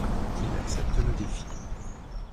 Il accepte le défi.